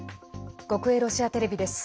国営ロシアテレビです。